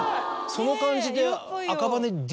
その感じで。